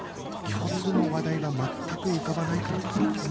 共通の話題が全く浮かばないからか？